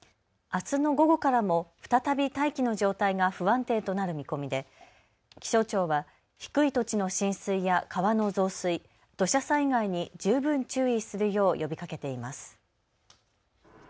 あすの午後からも再び大気の状態が不安定となる見込みで気象庁は低い土地の浸水や川の増水、土砂災害に十分注意するよう呼びかけています。